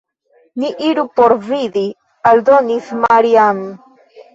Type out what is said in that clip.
Ni iru por vidi», aldonis Maria-Ann.